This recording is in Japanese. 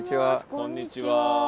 こんにちは。